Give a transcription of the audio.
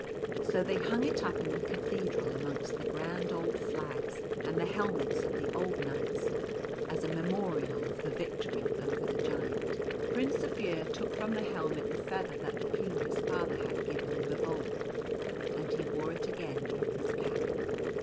So they hung it up in the Cathedral amongst the grand old flags and the helmets of the old knights, as a memo rial of the victory over the Giant. The Rose strewn way. 43 Prince Zaphir took from the helmet the feather that the King his father had given him of old and he wore it again in his cap.